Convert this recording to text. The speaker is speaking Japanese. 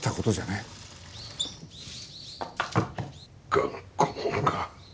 頑固もんが。